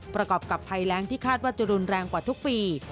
ประกอบกับภัยแรงที่คาดว่าจะรุนแรงกว่าทุกปี